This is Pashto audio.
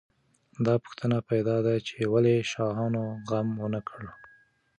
دا پوښتنه پیدا ده چې ولې شاهانو غم ونه کړ.